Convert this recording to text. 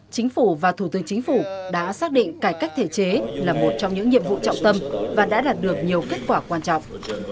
chính phủ và thủ tướng chính phủ đã xác định cải cách thể chế là một trong những nhiệm vụ trọng tâm và đã đạt được nhiều kết quả quan trọng